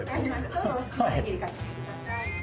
どうぞお好きな席におかけください。